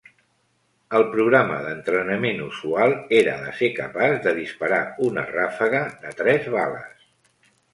El programa d'entrenament usual era de ser capaç de disparar una ràfega de tres bales.